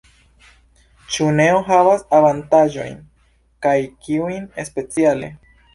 Ĉu Neo havas avantaĝojn kaj kiujn speciale?